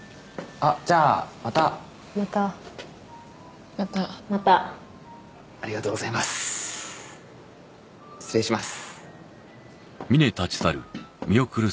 じゃあまたまたまたまたありがとうございます失礼します